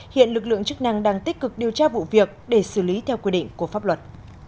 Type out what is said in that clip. hiện lực lượng chức năng đang tích cực điều tra vụ việc để xử lý theo quy định của pháp luật